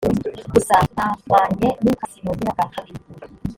gusa mpamanye n ubutaka sinongera ubwa kabiri